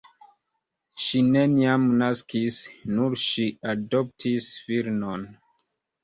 Ŝi neniam naskis, nur ŝi adoptis filinon.